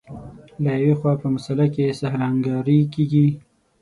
له یوې خوا په مسأله کې سهل انګاري کېږي.